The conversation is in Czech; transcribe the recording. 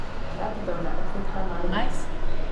Hrad byl neobvykle malý.